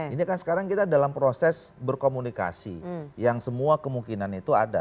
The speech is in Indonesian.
ini kan sekarang kita dalam proses berkomunikasi yang semua kemungkinan itu ada